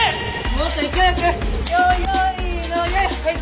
もっと勢いよく！